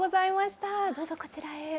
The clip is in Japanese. どうぞこちらへ。